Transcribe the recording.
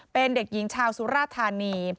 เป็นเด็กหญิงชาวสุราธานี